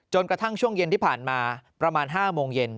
กระทั่งช่วงเย็นที่ผ่านมาประมาณ๕โมงเย็น